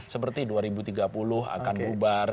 seperti dua ribu tiga puluh akan bubar